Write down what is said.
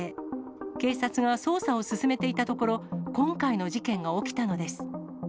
警察が捜査を進めていたところ、今回の事件が起きたのです。